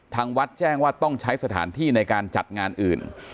ทางวัดแจ้งว่าต้องใช้สถานที่ในการจัดงานอื่น